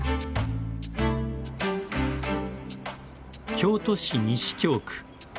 京都市西京区。